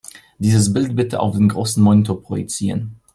Dieses Bild bitte auf den großen Monitor projizieren.